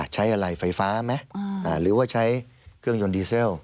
ใช้อะไรไฟฟ้าไหมหรือว่าใช้เครื่องยนต์ดีเซล